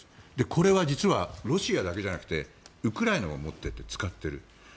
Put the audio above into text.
これは実はロシアだけじゃなくてウクライナも持っていて使っている。